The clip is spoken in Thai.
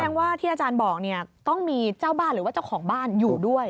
แสดงว่าที่อาจารย์บอกเนี่ยต้องมีเจ้าบ้านหรือว่าเจ้าของบ้านอยู่ด้วย